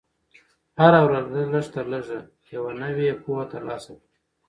هره ورځ لږ تر لږه یوه نوې پوهه ترلاسه کړه.